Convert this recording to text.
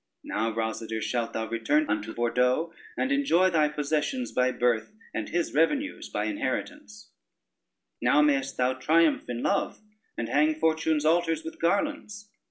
Now, Rosader, shalt thou return unto Bordeaux and enjoy thy possessions by birth, and his revenues by inheritance: now mayest thou triumph in love, and hang fortune's altars with garlands.